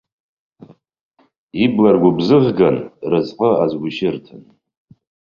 Ибла ргәыбзыӷган, разҟы азгәышьырҭан.